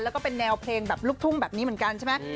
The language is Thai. แล้วก็เป็นแนวเพลงแบบลูกทุ่งแบบนี้เหมือนกันใช่ไหม